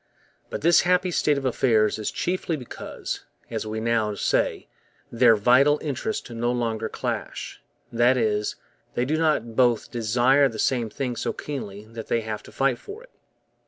But this happy state of affairs is chiefly because, as we now say, their 'vital interests no longer clash'; that is, they do not both desire the same thing so keenly that they have to fight for it.